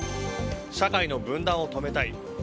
社会の分断を止めたい。